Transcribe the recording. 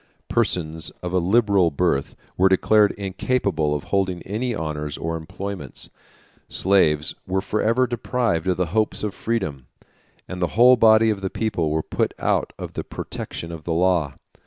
Persons of a liberal birth were declared incapable of holding any honors or employments; slaves were forever deprived of the hopes of freedom, and the whole body of the people were put out of the protection of the law.